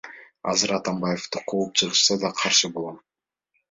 Азыр Атамбаевди кууп чыгышса да каршы болом.